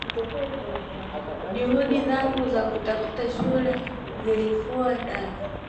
Juhudi zangu za kutafuta shule zilifua dafu